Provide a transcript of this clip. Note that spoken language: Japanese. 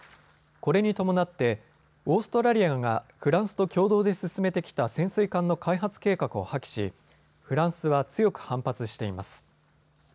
これに伴ってオーストラリアがフランスと共同で進めてきた潜水艦の開発計画を破棄しフランスは強く反発しています。